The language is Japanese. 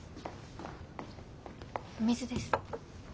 お水です。